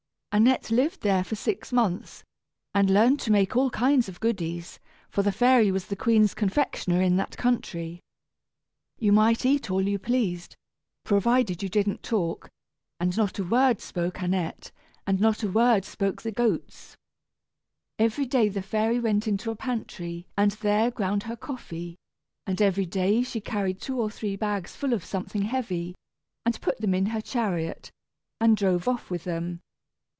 Annette lived there for six months, and learned to make all kinds of goodies; for the fairy was the queen's confectioner in that country. You might eat all you pleased, provided you didn't talk; and not a word spoke Annette, and not a word spoke the goats. Every day the fairy went into a pantry and there ground her coffee; and every day she carried two or three bags full of something heavy, and put them in her chariot, and drove off with them.